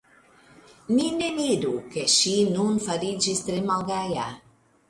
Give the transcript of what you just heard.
Ni ne miru ke ŝi nun fariĝis tre malgaja.